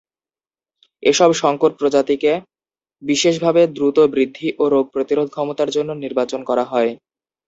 এসব সংকর প্রজাতিকে বিশেষভাবে দ্রুত বৃদ্ধি ও রোগ প্রতিরোধ ক্ষমতার জন্য নির্বাচন করা হয়।